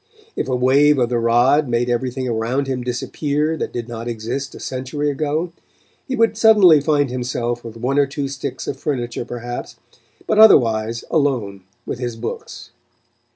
If a wave of the rod made everything around him disappear that did not exist a century ago, he would suddenly find himself with one or two sticks of furniture, perhaps, but otherwise alone with his books.